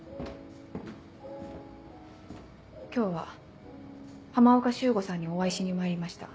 今日は浜岡修吾さんにお会いしにまいりました。